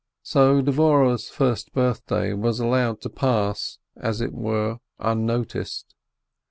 So Dvorehle's first birthday was allowed to pass as it were unnoticed.